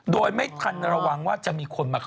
โดยไม่ทันระวังว่าจะมีคนมา